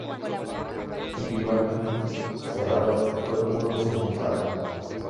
Chicho Ibáñez Serrador fue uno de sus invitados.